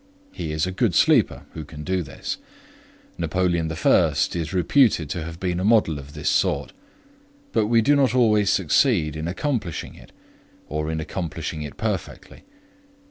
He is a good sleeper who can do this; Napoleon I. is reputed to have been a model of this sort. But we do not always succeed in accomplishing it, or in accomplishing it perfectly.